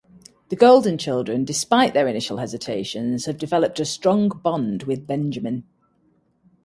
The Golden children, despite their initial hesitations, have developed a strong bond with Benjamin.